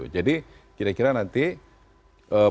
jadi kira kira nanti peluang berapa